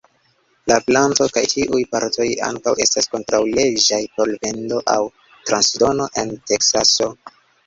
La planto kaj ĉiuj partoj ankaŭ estas kontraŭleĝaj por vendo aŭ transdono en Teksaso.